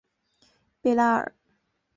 贝拉尔。